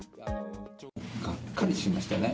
がっかりしましたね。